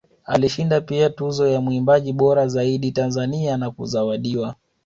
Alishinda pia Tuzo ya Mwimbaji bora zaidi Tanzania na kuzawadiwa